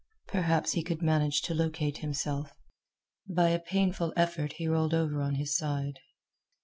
Perhaps he could manage to locate himself. By a painful effort he rolled over on his side.